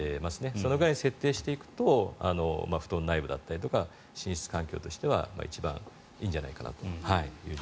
そのくらいに設定していくと布団内部だったりとか寝室環境としては一番いいんじゃないかという。